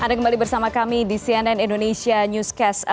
anda kembali bersama kami di cnn indonesia newscast